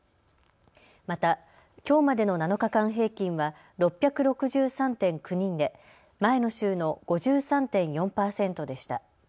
また、きょうまでの７日間平均は６６３．９人で前の週の５３．４％でした。